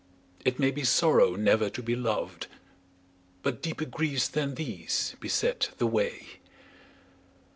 It may be sorrow never to be loved, But deeper griefs than these beset the way.